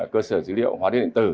cơ sở dữ liệu hóa điện điện tử